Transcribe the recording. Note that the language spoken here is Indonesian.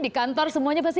di kantor semuanya pasti